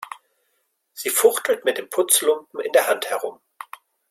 Sie fuchtelt mit dem Putzlumpen in der Hand herum.